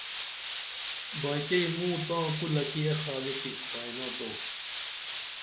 بائتئی موں تاں کُلہ کی اے خالقِ کائناتو